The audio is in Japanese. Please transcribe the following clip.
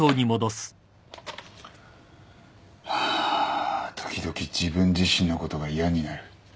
ハァ時々自分自身のことが嫌になる。